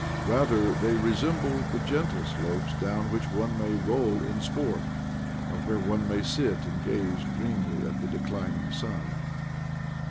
Rather, they resembled the gentle slopes down which one may roll in sport, or where one may sit and gaze dreamily at the declining sun.